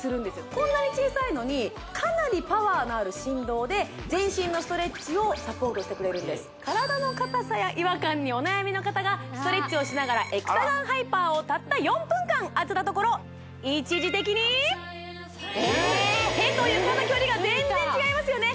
こんなに小さいのにかなりパワーのある振動で全身のストレッチをサポートしてくれるんです体の硬さや違和感にお悩みの方がストレッチをしながらエクサガンハイパーをたった４分間あてたところ一時的に手と床の距離が全然違いますよね